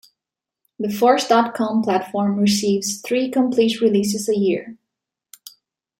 The Force dot com platform receives three complete releases a year.